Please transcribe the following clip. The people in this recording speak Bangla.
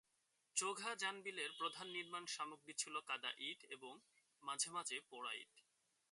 চোঘা জানবিলের প্রধান নির্মাণ সামগ্রী ছিল কাদা ইট এবং মাঝে মাঝে পোড়া ইট।